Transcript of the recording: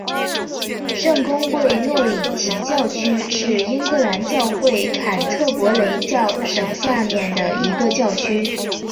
圣公会诺里奇教区是英格兰教会坎特伯雷教省下面的一个教区。